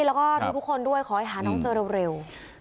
แล้วก็ทุกคนด้วยขอให้หาน้องเจอเร็ว